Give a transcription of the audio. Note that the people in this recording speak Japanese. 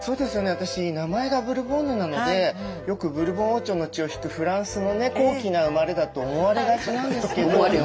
私名前がブルボンヌなのでよくブルボン王朝の血を引くフランスのね高貴な生まれだと思われがちなんですけど。